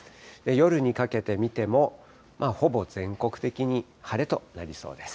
夜にかけて見ても、ほぼ全国的に晴れとなりそうです。